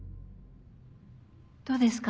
どうですか？